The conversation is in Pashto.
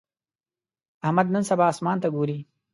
احمد نن سبا اسمان ته ګوري.